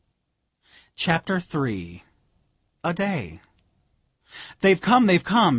CHAPTER III A DAY. "They've come! they've come!